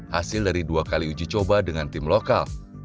hasil dari dua kali uji coba dengan tim lokal